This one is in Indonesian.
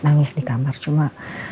nangis di kamar cuma